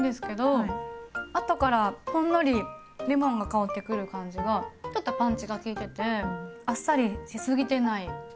後からほんのりレモンが香ってくる感じがちょっとパンチが効いててあっさりしすぎてない感じがしますね。